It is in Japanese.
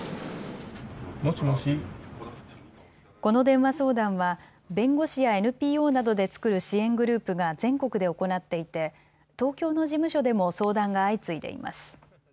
この電話相談は弁護士やＮＰＯなどで作る支援グループが全国で行っていて東京の事務所でも相談が相次いでいます。